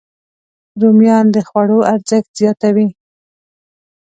رومیان د خوړو ارزښت زیاتوي